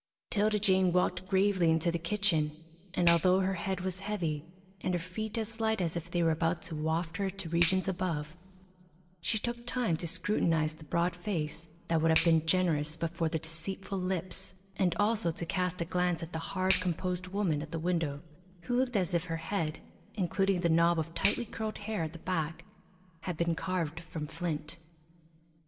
'Tilda Jane walked gravely into the kitchen, and although her head was heavy, and her feet as light as if they were about to waft her to regions above, she took time to scrutinise the broad face that would have been generous but for the deceitful lips, and also to cast a glance at the hard, composed woman at the window, who looked as if her head, including the knob of tightly curled hair at the back, had been carved from flint.